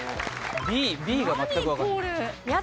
ＢＢが全くわからない。